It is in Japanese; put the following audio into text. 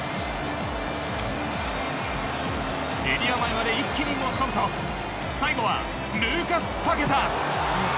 エリア前まで一気に持ち込むと最後はルーカス・パケタ。